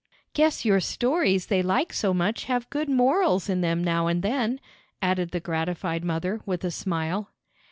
"Guess your stories they like so much have good morals in them now and then," added the gratified mother, with a smile.